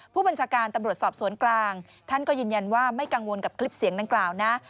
ผู้บัญชาการตำรวจสอบสวนกลางท่านก็ยืนยันว่าไม่กังวลกับคลิปเสียงดังกล่าวนะ